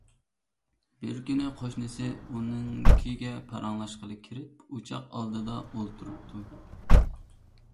بىر كۈنى قوشنىسى ئۇنىڭكىگە پاراڭلاشقىلى كىرىپ، ئوچاق ئالدىدا ئولتۇرۇپتۇ.